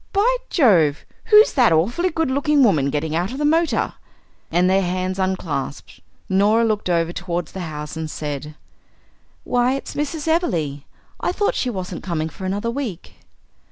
"By Jove! who's that awfully good looking woman getting out of the motor?" And their hands unclasped. Norah looked over towards the house and said: "Why, it's Mrs. Everleigh. I thought she wasn't coming for another week."